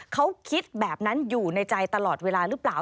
เขาคิดแบบนั้นอยู่ในใจตลอดเวลาหรือเปล่า